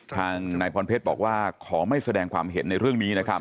ทางนายพรเพชรบอกว่าขอไม่แสดงความเห็นในเรื่องนี้นะครับ